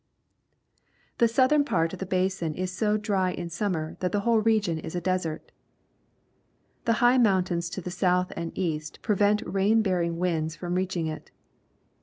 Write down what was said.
The southern part of the basin is so dry in summer that the whole region is a desert. The high mountains to the south and east prevent rain bearing winds from reaching it.